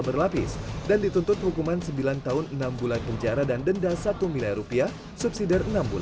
berlapis dan dituntut hukuman sembilan tahun enam bulan penjara dan denda satu miliar rupiah subsidi